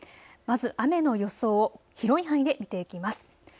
まず雨の予想を広い範囲で見ていきます。